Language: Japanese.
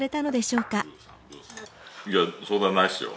いや相談ないですよ。